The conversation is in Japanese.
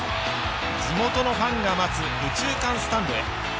地元のファンが待つ右中間スタンドへ。